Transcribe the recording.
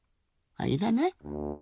あいらない？